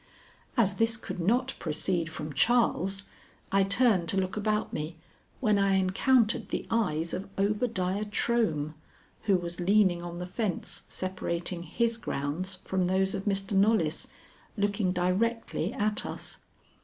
As this could not proceed from Charles, I turned to look about me, when I encountered the eyes of Obadiah Trohm, who was leaning on the fence separating his grounds from those of Mr. Knollys, looking directly at us.